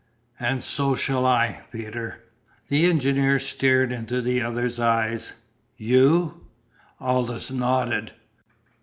"And so shall I, Peter." The engineer stared into the other's eyes. "You " Aldous nodded.